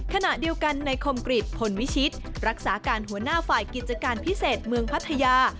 ขณะเดียวกันในคมกริจพลวิชิตรักษาการหัวหน้าฝ่ายกิจการพิเศษเมืองพัทยา